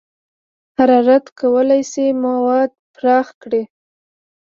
حرارت کولی شي مواد پراخ کړي.